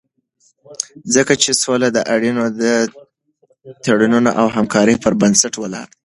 ځکه چې سوله د اړینو تړونونو او همکارۍ پر بنسټ ولاړه ده.